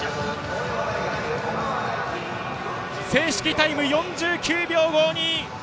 正式タイム４９秒５２。